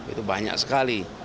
itu banyak sekali